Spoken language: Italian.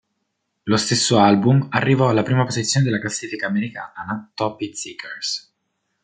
Lo stesso album arrivò alla prima posizione della classifica americana "Top Heatseekers".